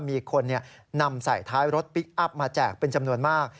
มีคนนำใส่ท้ายรถพลิกอัพมาแจกเป็นจำนวนมาก